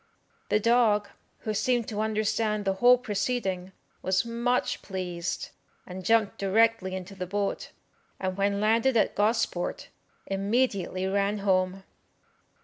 The dog, who seemed to understand the whole proceeding, was much pleased, and jumped directly into the boat, and when landed at Gosport, immediately ran home.